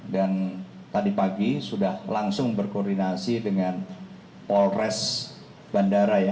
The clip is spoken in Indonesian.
dan tadi pagi sudah langsung berkoordinasi dengan polres bandara